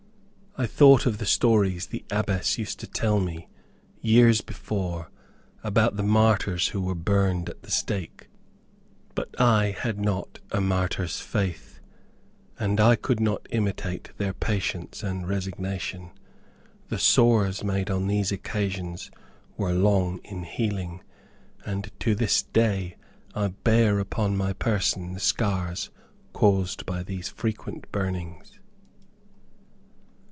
I thought of the stories the Abbess used to tell me years before about the martyrs who were burned at the stake. But I had not a martyr's faith, and I could not imitate their patience and resignation. The sores made on these occasions were long in healing, and to this day I bear upon my person the scars caused by these frequent burnings.